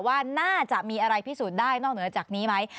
ว่าน่าจะมีอะไรพิสูจน์ได้นอกเหนือจากนี้ไหม